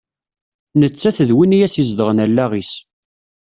Nettat d win i as-izedɣen allaɣ-is.